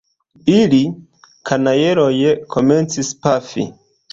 Ili, kanajloj, komencis pafi!